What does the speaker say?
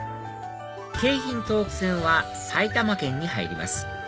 京浜東北線は埼玉県に入ります